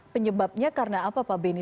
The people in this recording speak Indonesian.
penyebabnya karena apa pak benny